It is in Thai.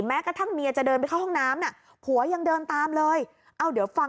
แม่ค้าต้องการนิวโสปงกืนตามอยู่ด้วยกันอยู่ด้วยกันประมาณสองเดือนหรือสามเดือนได้ประมาณ